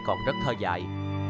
còn rất thơ dại